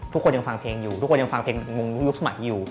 ทุกคนยังฟังเพลงอยู่ทุกคนยังฟังเพลงงงยุคสมัยอยู่